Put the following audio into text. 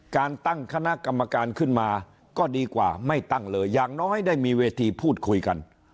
การตั้งคณะกรรมการขึ้นมาก็ดีกว่าไม่ตั้งเลยอย่างน้อยได้มีเวทีพูดคุยกัน